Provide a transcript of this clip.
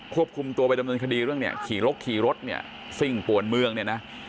ควบคุมตัวไปดำเนินคดีเรื่องเนี่ยขี่ลกขี่รถเนี่ยซิ่งป่วนเมืองเนี่ยนะ